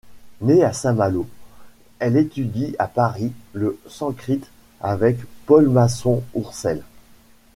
Née à Saint-Malo, elle étudie à Paris le sanskrit avec Paul Masson-Oursel.